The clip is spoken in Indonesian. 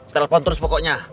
telepon terus pokoknya